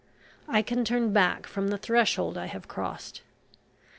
I can turn back from the threshold I have crossed...